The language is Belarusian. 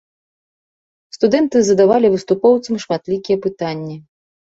Студэнты задавалі выступоўцам шматлікія пытанні.